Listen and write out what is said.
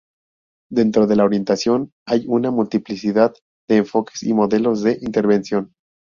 Dentro de la orientación hay una multiplicidad de enfoques y modelos de intervención.